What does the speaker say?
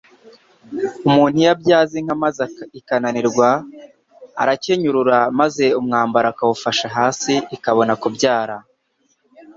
Umuntu iyo abyaza inka maze ikananirwa, arakenyurura maze umwambaro akawufasha hasi, ikabona kubyara